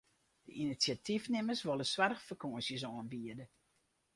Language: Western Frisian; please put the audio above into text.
De inisjatyfnimmers wolle soarchfakânsjes oanbiede.